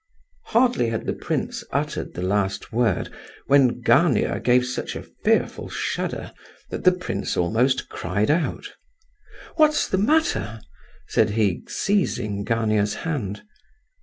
Hardly had the prince uttered the last word when Gania gave such a fearful shudder that the prince almost cried out. "What's the matter?" said he, seizing Gania's hand.